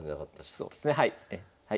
そうですねはい。